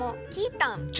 たん。